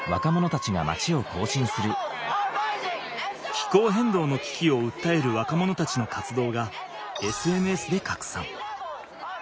気候変動のききをうったえる若者たちの活動がＳＮＳでかくさん。